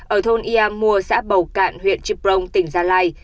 ở thôn ia mùa xã bầu cạn huyện chiprong tỉnh gia lai